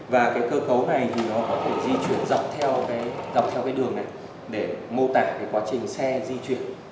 và cái cơ cấu này thì nó có thể di chuyển dọc theo cái đường này để mô tả cái quá trình xe di chuyển